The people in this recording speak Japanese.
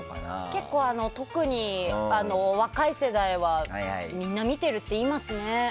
結構、特に若い世代はみんな見てるっていいますね。